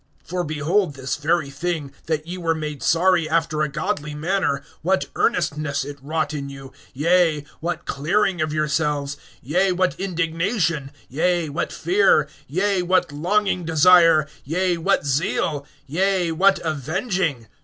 (11)For behold this very thing, that ye were made sorry after a godly manner, what earnestness it wrought in you; yea, what clearing of yourselves; yea, what indignation; yea, what fear; yea, what longing desire; yea, what zeal; yea, what avenging!